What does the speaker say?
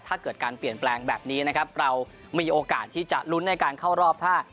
ถ้าเกิดการเปลี่ยนแปลงแบบนี้นะครับเรามีโอกาสที่จะลุ้นในการเข้ารอบถ้า